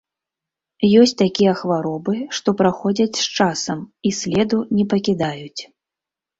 Ёсць такія хваробы, што праходзяць з часам і следу не пакідаюць.